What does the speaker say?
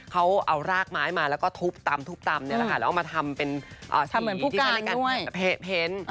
เขาเอารากไม้มาแล้วก็ทุบตำแล้วเอามาทำเป็นสีที่ใช้ในการเพ้น